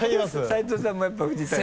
斉藤さんもやっぱり藤谷さんに？